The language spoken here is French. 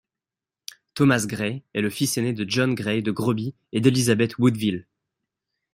Thomas Grey est le fils aîné de John Grey de Groby et d'Élisabeth Woodville.